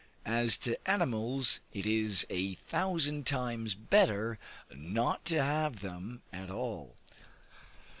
As to animals, it is a thousand times better not to have them at all.